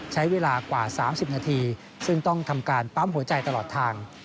ใช้เวลากว่า๓๐นาทีซึ่งต้องทำการปั๊มหัวใจตลอดทาง